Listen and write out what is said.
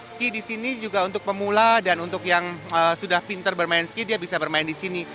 ski di sini juga untuk pemula dan untuk yang sudah pinter bermain ski dia bisa bermain di sini